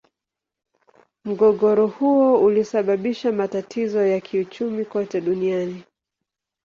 Mgogoro huo ulisababisha matatizo ya kiuchumi kote duniani.